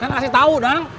kan kasih tau dong